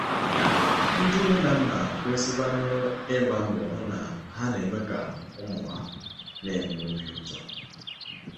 Onweghizịkwa ihe dịka ilele ala